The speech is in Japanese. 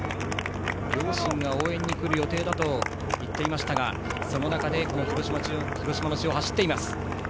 両親が応援に来る予定だと言っていましたがその中で広島の地を走っています。